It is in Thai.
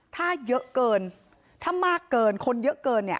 ถ้าเยอะเกินถ้ามากเกินคนเยอะเกินเนี่ย